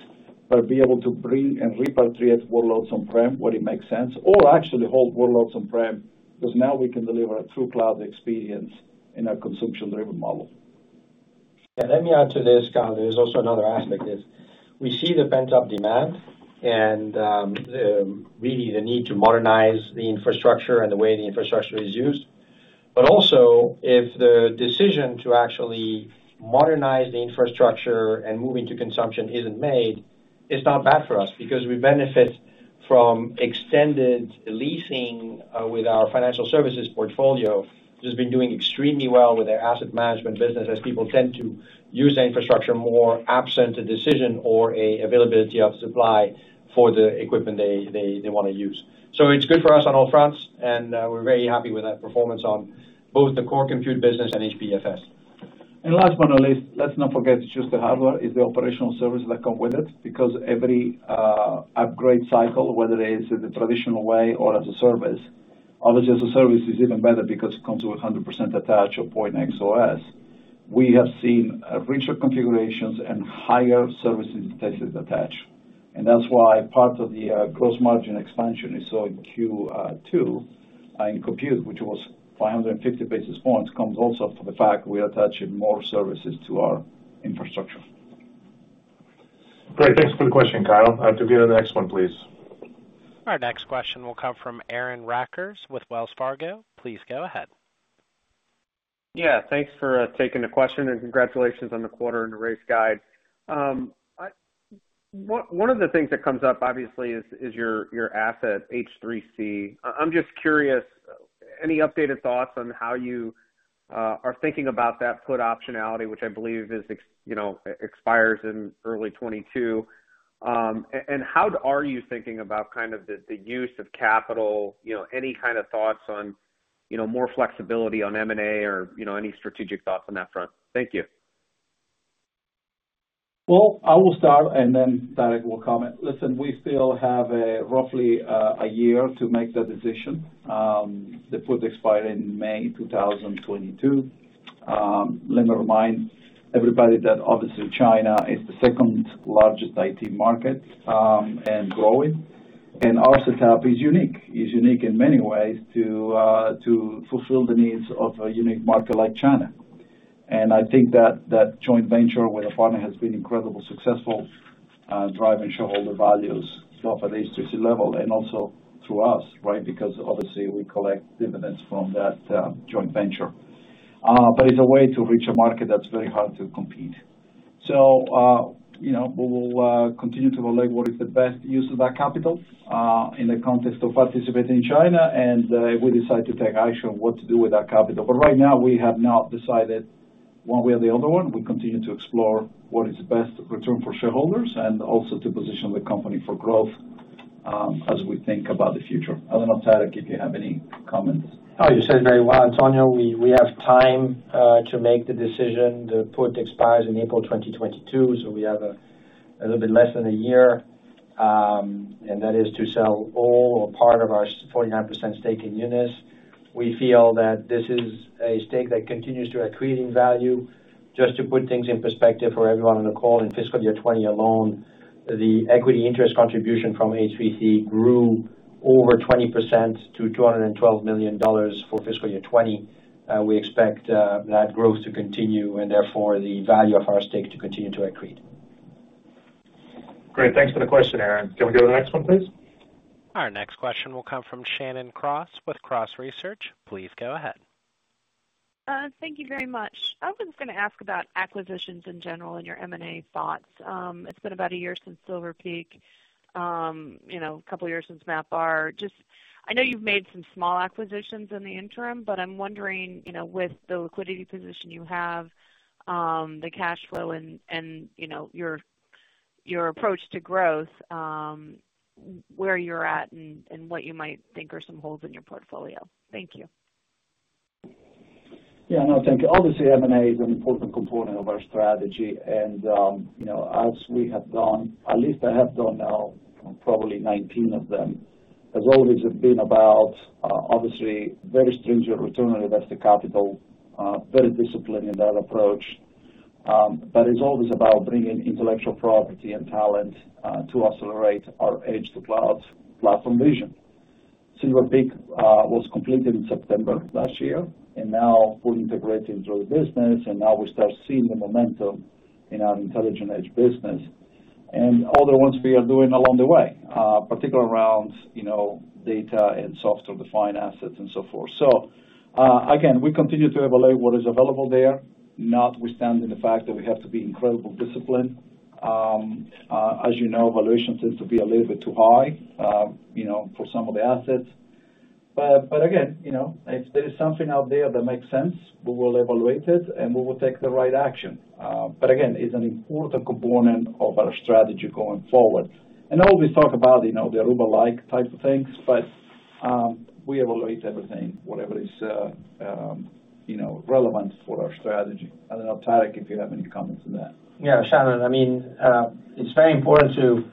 but be able to bring and repatriate workloads on-prem where it makes sense, or actually hold workloads on-prem because now we can deliver a true cloud experience in a consumption-driven model. To add to this, Kyle, there's also another aspect is we see the pent-up demand and really the need to modernize the infrastructure and the way the infrastructure is used. If the decision to actually modernize the infrastructure and moving to consumption isn't made, it's not bad for us because we benefit from extended leasing with our HPE Financial Services portfolio, which has been doing extremely well with their asset management business as people tend to use the infrastructure more absent a decision or availability of supply for the equipment they want to use. It's good for us on all fronts, and we're very happy with that performance on both the core Compute business and HPEFS. Let's not forget it's just the hardware, it's the operational service that come with it because every upgrade cycle, whether it is in the traditional way or as a service. Although as a service is even better because it comes with 100% attach of Pointnext OS. That's why part of the gross margin expansion we saw in Q2 in compute, which was 550 basis points, comes also from the fact we are attaching more services to our infrastructure. Great. Thanks for the question, Kyle. Can we go to the next one, please? Our next question will come from Aaron Rakers with Wells Fargo. Please go ahead. Yeah. Thanks for taking the question. Congratulations on the quarter and raised guide. One of the things that comes up obviously is your asset H3C. I'm just curious, any updated thoughts on how you are thinking about that put optionality, which I believe expires in early 2022. How are you thinking about the use of capital, any kind of thoughts on more flexibility on M&A or any strategic thoughts on that front? Thank you. Well, I will start, and then Tarek will comment. Listen, we still have roughly a year to make that decision. The put expires in May 2022. Let me remind everybody that obviously China is the second largest IT market, and growing. Our setup is unique. It's unique in many ways to fulfill the needs of a unique market like China. I think that that joint venture with our partner has been incredibly successful, driving shareholder values both at H3C level and also to us. Because obviously we collect dividends from that joint venture. It's a way to reach a market that's very hard to compete. We will continue to evaluate what is the best use of that capital in the context of participating in China, and if we decide to take action on what to do with that capital. Right now, we have not decided one way or the other one. We continue to explore what is the best return for shareholders and also to position the company for growth as we think about the future. I don't know, Tarek, if you have any comments. You said it very well, Antonio. We have time to make the decision. The put expires in April 2022, so we have a little bit less than a year, and that is to sell all or part of our 49% stake in UNIS. We feel that this is a stake that continues to accrete in value. Just to put things in perspective for everyone on the call, in fiscal year 2020 alone, the equity interest contribution from H3C grew over 20% to $212 million for fiscal year 2020. We expect that growth to continue, and therefore the value of our stake to continue to accrete. Great. Thanks for the question, Aaron. Can we go to the next one, please? Our next question will come from Shannon Cross with Cross Research. Please go ahead. Thank you very much. I was going to ask about acquisitions in general and your M&A thoughts. It's been about a year since Silver Peak, a couple of years since Aruba. I know you've made some small acquisitions in the interim, but I'm wondering with the liquidity position you have, the cash flow and your approach to growth, where you're at and what you might think are some holes in your portfolio. Thank you. Thank you. Obviously, M&A is an important component of our strategy. As we have done, at least I have done now probably 19 of them, has always been about obviously very stringent return on invested capital, very disciplined in that approach. It's always about bringing intellectual property and talent to accelerate our Edge-to-Cloud platform vision. Silver Peak was completed in September last year, now fully integrated into our business. Now we start seeing the momentum in our Intelligent Edge business and other ones we are doing along the way, particularly around data and software-defined assets and so forth. Again, we continue to evaluate what is available there, notwithstanding the fact that we have to be incredibly disciplined. As you know, valuations tend to be a little bit too high for some of the assets. Again, if there's something out there that makes sense, we will evaluate it, and we will take the right action. Again, it's an important component of our strategy going forward. I know we talk about the Aruba-like type of things, but we evaluate everything, whatever is relevant for our strategy. Then, Tarek, if you have any comments on that. Yeah, Shannon, it's very important to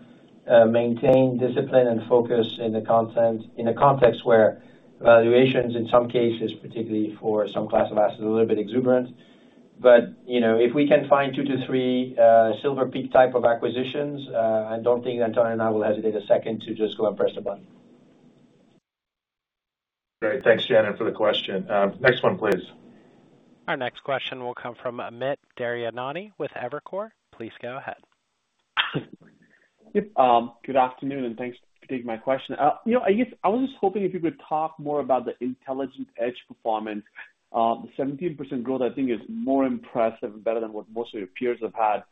maintain discipline and focus in a context where valuations, in some cases, particularly for some classes of assets, are a little bit exuberant. If we can find two to three Silver Peak type of acquisitions, I don't think Antonio and I will hesitate a second to just go and press a button. Great. Thanks, Shannon, for the question. Next one, please. Our next question will come from Amit Daryanani with Evercore. Please go ahead. Yep. Good afternoon, and thanks for taking my question. I was just hoping if you could talk more about the Intelligent Edge performance. The 17% growth, I think, is more impressive and better than what most of your peers have had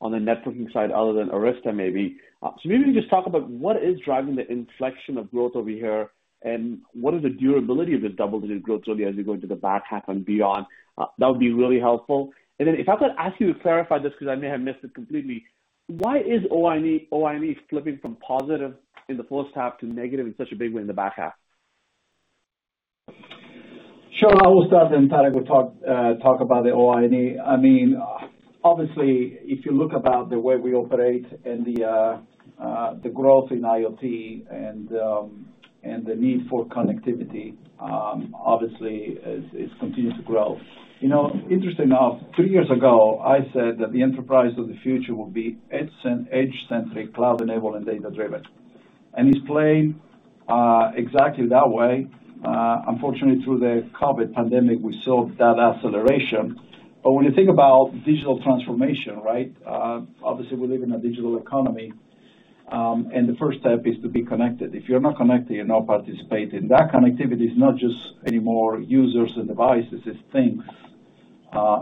on the networking side other than Arista maybe. Maybe just talk about what is driving the inflection of growth over here, and what are the durability of the double-digit growth over as we go into the back half and beyond. That would be really helpful. If I could ask you to clarify this because I may have missed it completely, why is OI&E flipping from positive in the first half to negative in such a big way in the back half? Sure. I will start, then Tarek will talk about the OI&E. Obviously, if you look about the way we operate and the growth in IoT and the need for connectivity, obviously, it continues to grow. Interesting enough, three years ago, I said that the enterprise of the future will be edge-centric, cloud-enabled, and data-driven. It's playing exactly that way. Unfortunately, through the COVID pandemic, we saw that acceleration. When you think about digital transformation, obviously we live in a digital economy, and the first step is to be connected. If you're not connected, you're not participating. That connectivity is not just anymore users and devices, it's things.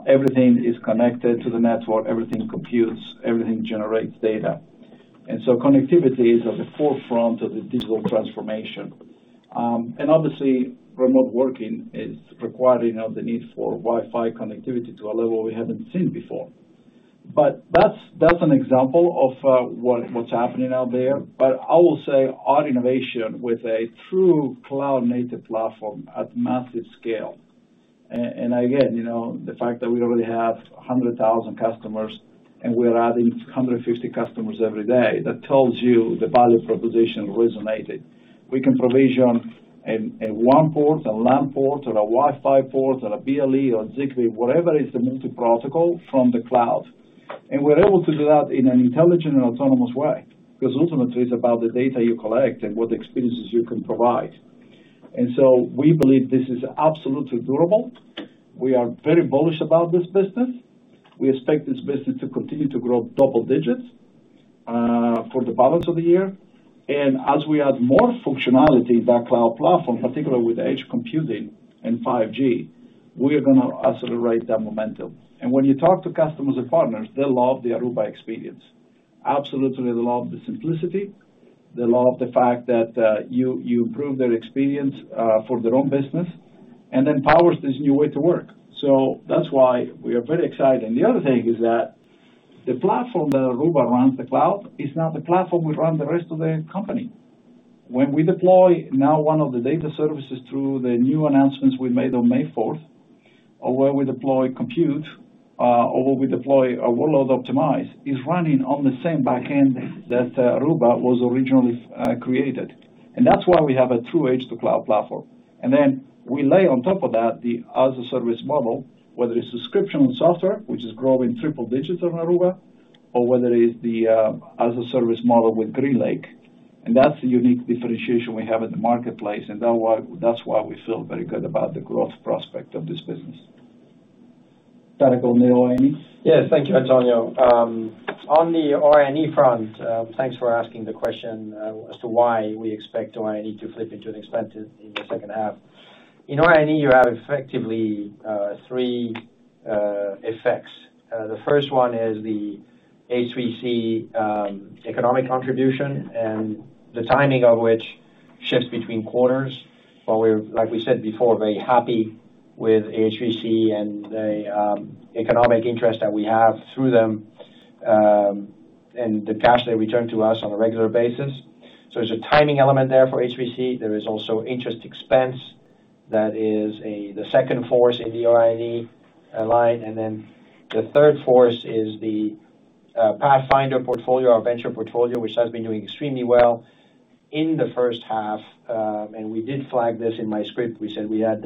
Everything is connected to the network, everything computes, everything generates data. Connectivity is at the forefront of the digital transformation. Obviously, remote working is requiring the need for Wi-Fi connectivity to a level we haven't seen before. That's an example of what's happening out there. I will say our innovation with a true cloud-native platform at massive scale. Again, the fact that we already have 100,000 customers, and we're adding 150 customers every day, that tells you the value proposition resonated. We can provision a WAN port, a LAN port, or a Wi-Fi port, or a BLE, or Zigbee, whatever is the needed protocol from the cloud. We're able to do that in an intelligent and autonomous way because ultimately, it's about the data you collect and what experiences you can provide. We believe this is absolutely durable. We are very bullish about this business. We expect this business to continue to grow double digits for the balance of the year. As we add more functionality to that cloud platform, particularly with edge computing and 5G, we are going to accelerate that momentum. When you talk to customers and partners, they love the Aruba experience. Absolutely, they love the simplicity. They love the fact that you improve their experience for their own business and empowers this new way to work. That's why we are very excited. The other thing is that the platform that Aruba runs the cloud is now the platform we run the rest of the company. When we deploy now one of the data services through the new announcements we made on May 4th, or where we deploy compute, or where we deploy workload optimize, is running on the same backend that Aruba was originally created. That's why we have a true Edge-to-Cloud platform. We lay on top of that the as-a-service model, whether it's subscription or software, which is growing triple digits on Aruba, or whether it is the as-a-service model with GreenLake. That's the unique differentiation we have in the marketplace, and that's why we feel very good about the growth prospect of this business. Tarek, on the OI&E? Yeah. Thank you, Antonio. On the OI&E front, thanks for asking the question as to why we expect OI&E to flip into an expense in the second half. In OI&E, you have effectively three effects. The first one is the H3C economic contribution and the timing of which shifts between quarters. Like we said before, very happy with H3C and the economic interest that we have through them, and the cash they return to us on a regular basis. There's a timing element there for H3C. There is also interest expense that is the second force in the OI&E line, the third force is the Pathfinder portfolio, our venture portfolio, which has been doing extremely well in the first half. We did flag this in my script. We said we had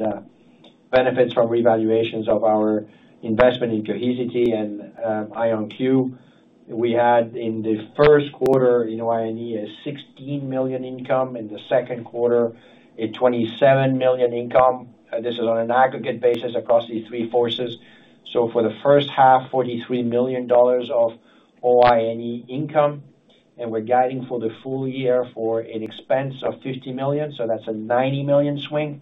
the Benefits from revaluations of our investment into HPE and IonQ. We had in the first quarter, OI&E, a $16 million income. In the second quarter, a $27 million income. This is on an aggregate basis across these three forces. For the first half, $43 million of OI&E income. We are guiding for the full year for an expense of $50 million. That is a $90 million swing.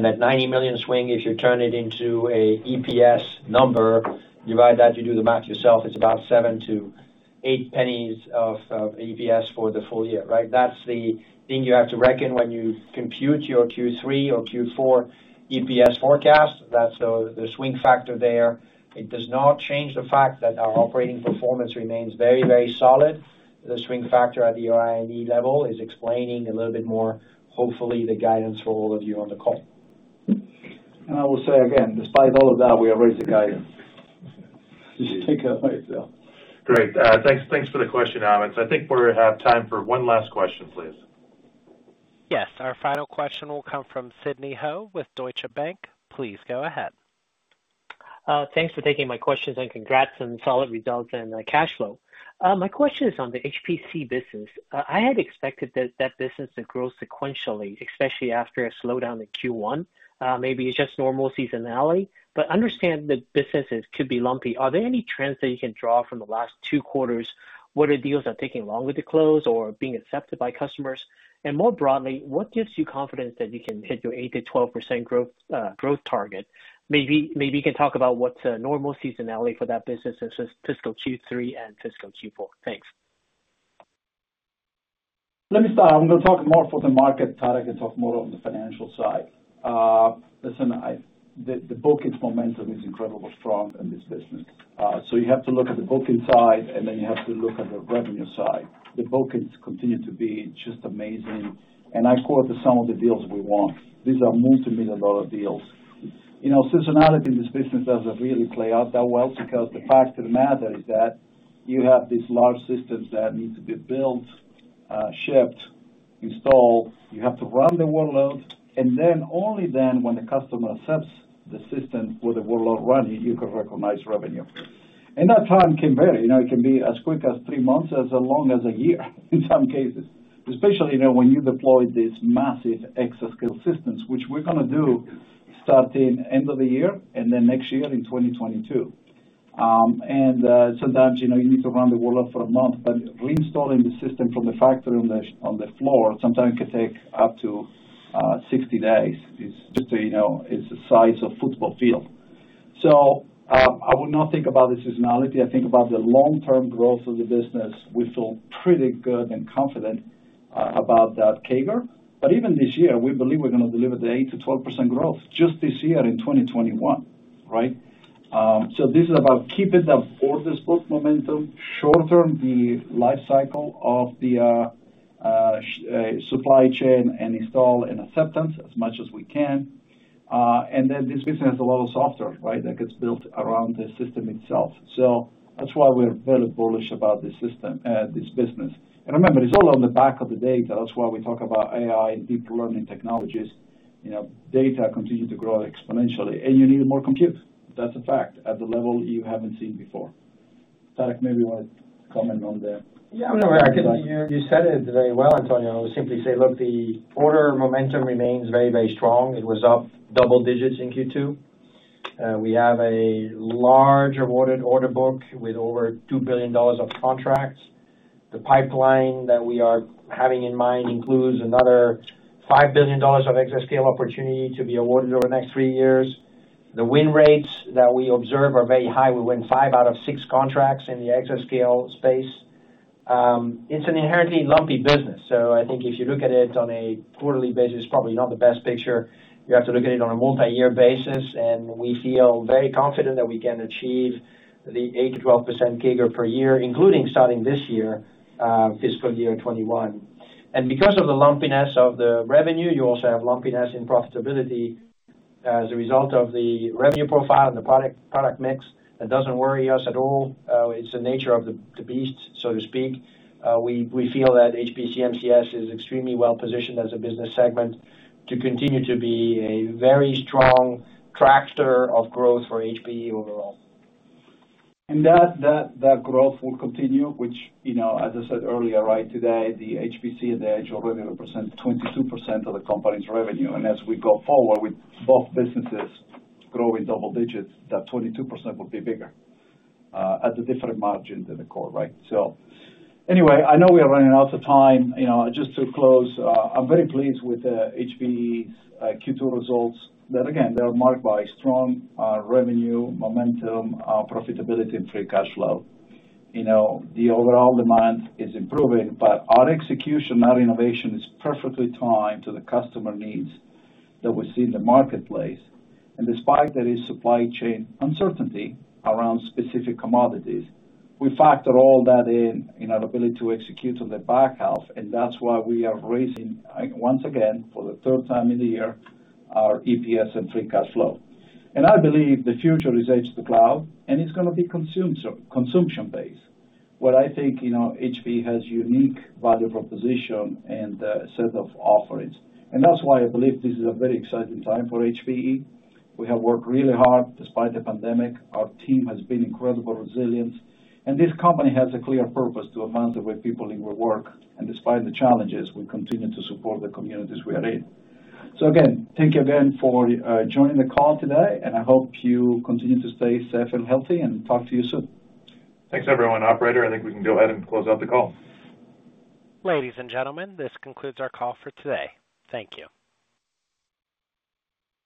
That $90 million swing, if you turn it into an EPS number, you add that, you do the math yourself, it is about $0.07-$0.08 of EPS for the full year. That is the thing you have to reckon when you compute your Q3 or Q4 EPS forecast. That is the swing factor there. It does not change the fact that our operating performance remains very, very solid. The swing factor at the OI&E level is explaining a little bit more, hopefully, the guidance for all of you on the call. I will say again, despite all of that, we have raised the guidance. Just to take that out there. Great. Thanks for the question, Amit. I think we have time for one last question, please. Yes, our final question will come from Sidney Ho with Deutsche Bank. Please go ahead. Thanks for taking my questions and congrats on the solid results and the cash flow. My question is on the HPC business. I had expected that business to grow sequentially, especially after a slowdown in Q1. Maybe it's just normal seasonality, but understand that businesses could be lumpy. Are there any trends that you can draw from the last two quarters? What deals are taking longer to close or being accepted by customers? More broadly, what gives you confidence that you can hit your 8%-12% growth target? Maybe you can talk about what's a normal seasonality for that business in fiscal Q3 and fiscal Q4. Thanks. Let me start. I'm going to talk more for the market. Tarek can talk more on the financial side. Listen, the bookings momentum is incredibly strong in this business. You have to look at the bookings side, and then you have to look at the revenue side. The bookings continue to be just amazing. I quote some of the deals we won. These are multi-million dollar deals. Seasonality in this business doesn't really play out that well because the fact of the matter is that you have these large systems that need to be built, shipped, installed. You have to run the workloads, and then only then when the customer accepts the system with the workload running, you can recognize revenue. That time can vary. It can be as quick as three months, as long as one year in some cases, especially when you deploy these massive exascale systems, which we're going to do starting end of the year and next year in 2022. Sometimes, you need to run the workload for a month, but reinstalling the system from the factory on the floor sometimes can take up to 60 days. Just so you know, it's the size of football field. I would not think about the seasonality. I think about the long-term growth of the business. We feel pretty good and confident about that CAGR. Even this year, we believe we're going to deliver the 8%-12% growth just this year in 2021. This is about keeping up for this book momentum, shorten the life cycle of the supply chain and install and acceptance as much as we can. This business has a lot of software that gets built around the system itself. That's why we're very bullish about this business. Remember, it's all on the back of the data. That's why we talk about AI and deep learning technologies. Data continue to grow exponentially, and you need more compute. That's a fact, at the level you haven't seen before. Tarek, maybe you want to comment on the? Yeah, you said it very well, Antonio. I would simply say, look, the order momentum remains very, very strong. It was up double digits in Q2. We have a large awarded order book with over $2 billion of contracts. The pipeline that we are having in mind includes another $5 billion of exascale opportunity to be awarded over the next three years. The win rates that we observe are very high. We win five out of six contracts in the exascale space. It's an inherently lumpy business. I think if you look at it on a quarterly basis, probably not the best picture. You have to look at it on a multi-year basis, and we feel very confident that we can achieve the 8%-12% CAGR per year, including starting this year, fiscal year 2021. Because of the lumpiness of the revenue, you also have lumpiness in profitability as a result of the revenue profile and the product mix. It doesn't worry us at all. It's the nature of the beast, so to speak. We feel that HPC & MCS is extremely well-positioned as a business segment to continue to be a very strong tractor of growth for HPE overall. That growth will continue, which, as I said earlier, today, the HPC and the Edge already represent 22% of the company's revenue. As we go forward with both businesses growing double digits, that 22% will be bigger at a different margin than the core. Anyway, I know we are running out of time. Just to close, I'm very pleased with HPE's Q2 results that again, they are marked by strong revenue momentum, profitability, and free cash flow. The overall demand is improving, but our execution, our innovation is perfectly timed to the customer needs that we see in the marketplace. Despite that, there's supply chain uncertainty around specific commodities. We factor all that in our ability to execute on the back half, and that's why we are raising, once again, for the third time in the year, our EPS and free cash flow. I believe the future is Edge-to-Cloud, and it's going to be consumption-based. Where I think HPE has unique value proposition and a set of offerings. That's why I believe this is a very exciting time for HPE. We have worked really hard despite the pandemic. Our team has been incredibly resilient, and this company has a clear purpose to advance the way people will work. Despite the challenges, we continue to support the communities we are in. Again, thank you again for joining the call today, and I hope you continue to stay safe and healthy, and talk to you soon. Thanks, everyone. Operator, I think we can go ahead and close out the call. Ladies and gentlemen, this concludes our call for today. Thank you.